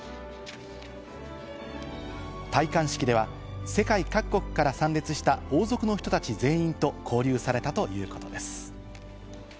戴冠式では参列した王族の人たち全員と交流されたということです。